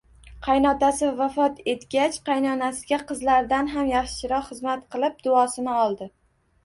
Qaynotasi vafot etgach, qaynonasiga qizlaridan ham yaxshiroq xizmat qilib, duosini oldi